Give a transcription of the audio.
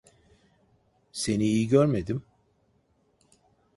Seni iyi görmedim?